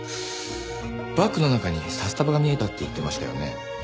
バッグの中に札束が見えたって言ってましたよね？